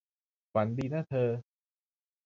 ฝันดีนะเธอ